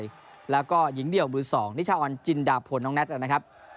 รวินดาประจงใจแล้วก็หญิงเดี่ยวมือสองนิชาออนจินดาพลน้องแน็ตนะครับ